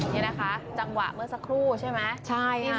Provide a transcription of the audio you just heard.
นี่นะคะจังหวะเมื่อสักครู่ใช่ไหม